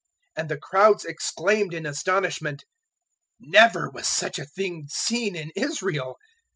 And the crowds exclaimed in astonishment, "Never was such a thing seen in Israel."